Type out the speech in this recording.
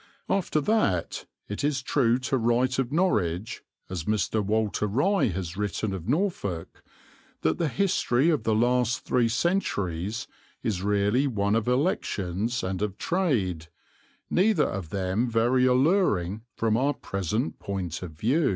After that it is true to write of Norwich, as Mr. Walter Rye has written of Norfolk, that the history of the last three centuries is really one of elections and of trade, neither of them very alluring from our present point of view.